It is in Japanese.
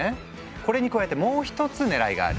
これに加えてもう一つねらいがある。